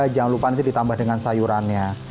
jangan lupa nanti ditambah dengan sayurannya